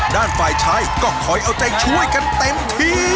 ฝ่ายชายก็คอยเอาใจช่วยกันเต็มที่